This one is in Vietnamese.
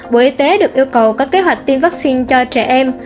bộ y tế được yêu cầu có kế hoạch tiêm vaccine cho trẻ em